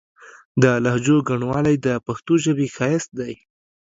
د لهجو ګڼوالی د پښتو ژبې ښايست دی.